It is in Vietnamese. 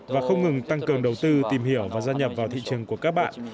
và không ngừng tăng cường đầu tư tìm hiểu và gia nhập vào thị trường của các bạn